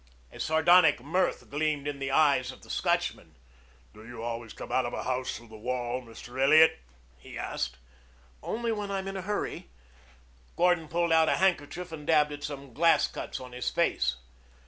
A sardonic mirth gleamed in the eyes of the Scotchman. "Do you always come out of a house through the wall, Mr. Elliot?" he asked. "Only when I'm in a hurry." Gordon pulled out a handkerchief and dabbed at some glass cuts on his face.